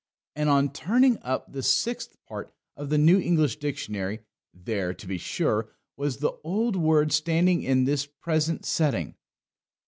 And on turning up the Sixth Part of the New English Dictionary, there, to be sure, was the old word standing in this present setting.